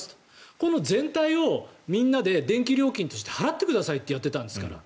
この全体をみんなで電気料金として払ってくださいってやってたんですから。